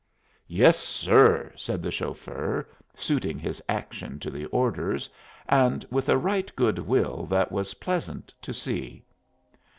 "Yes, sir," said the chauffeur, suiting his action to the orders, and with a right good will that was pleasant to see.